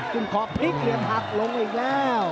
คุณขอบพลิกเหลี่ยมหักลงอีกแล้ว